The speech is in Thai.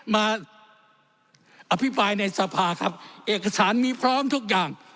มาอภิปรายในสภาครับเอกสารมีพร้อมทุกอย่าง